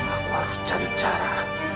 aku harus cari cara